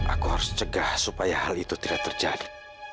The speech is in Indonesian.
aku harus cegah supaya hal itu tidak terjadi